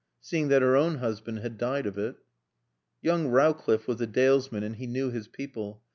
Seeing that her own husband had died of it. Young Rowcliffe was a dalesman and he knew his people.